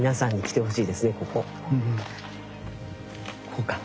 こうか。